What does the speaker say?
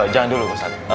jangan dulu ustadz